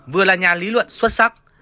vừa là nhà lý luận xuất sắc